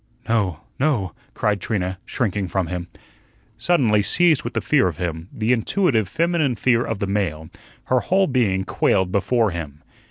"No, no," cried Trina, shrinking from him. Suddenly seized with the fear of him the intuitive feminine fear of the male her whole being quailed before him.